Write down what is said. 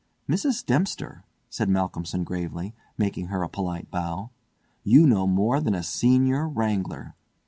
"Mrs. Dempster," said Malcolmson gravely, making her a polite bow, "you know more than a Senior Wrangler!